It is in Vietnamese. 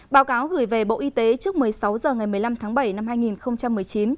báo cáo gửi về bộ y tế trước một mươi sáu h ngày một mươi năm tháng bảy năm hai nghìn một mươi chín